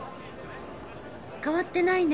変わってないね